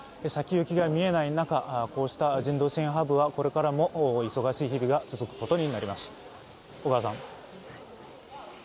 先行きが見えない中、こうした人道支援ハブはこれからも忙しい日々が続くことになります。